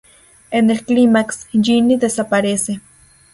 En el clímax, Ginny desaparece.